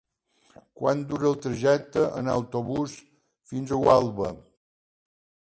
Quant dura el trajecte en autobús fins a Gualba?